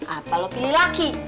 atau lo pilih laki